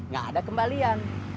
gak ada kembalian